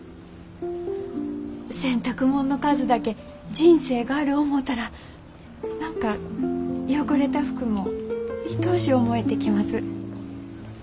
洗濯もんの数だけ人生がある思うたら何か汚れた服もいとおしゅう思えてきます。